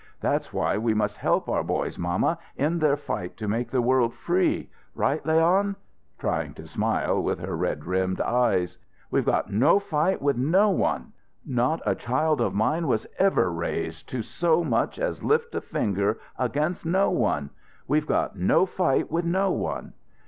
That's why we must help our boys, mamma, in their fight to make the world free. Right, Leon?" trying to smile with her red rimmed eyes. "We've got no fight with no one! Not a child of mine was ever raised to so much as lift a finger against no one. We've got no fight with no one."